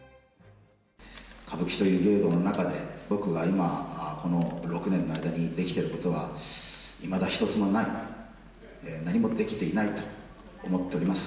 歌舞伎という芸道の中で、僕が今、この６年の間にできてることは、いまだ一つもない、何もできていないと思っております。